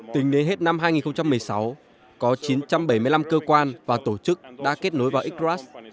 tính đến hết năm hai nghìn một mươi sáu có chín trăm bảy mươi năm cơ quan và tổ chức đã kết nối vào qr